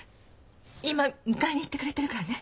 今迎えに行ってくれてるからね。